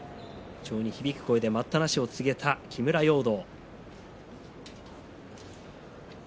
非常に響く声で待ったなしを告げた木村容堂。